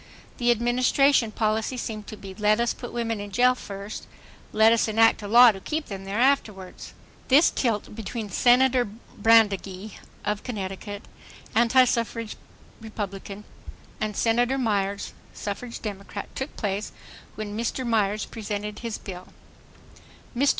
The Administration policy seemed to be "Let us put women in jail first—let us enact a law to keep them there afterwards," This tilt between Senator Brandegee, of Connecticut, antisuffrage Republican, and Senator Myers, suffrage Democrat, took place when Mr. Myer's presented his bill: MR.